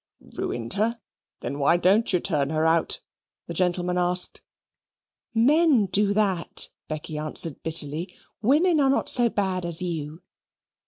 "Ruined her? Then why don't you turn her out?" the gentleman asked. "Men do that," Becky answered bitterly. "Women are not so bad as you.